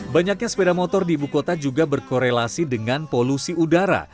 banyaknya sepeda motor di ibu kota juga berkorelasi dengan polusi udara